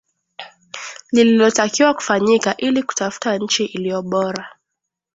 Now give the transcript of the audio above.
Lililotakiwa kufanyika ili kutafuta nchi iliyo bora